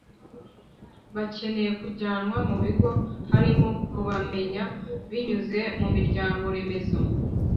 bakeneye kujyanwa mu bigo harimo kubamenya binyuze mu miryango remezo